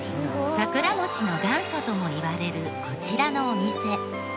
桜餅の元祖ともいわれるこちらのお店。